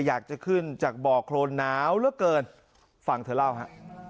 อยากจะขึ้นจากบ่อโครนหนาวเหลือเกินฟังเธอเล่าฮะ